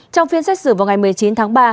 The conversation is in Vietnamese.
trong phiên xét xử vào ngày một mươi chín tháng ba